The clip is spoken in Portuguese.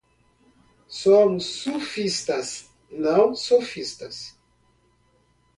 Somos sufistas, não sofistas